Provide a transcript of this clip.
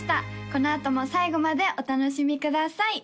このあとも最後までお楽しみください